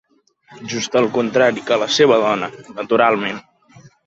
Just al contrari que la seva dona, naturalment.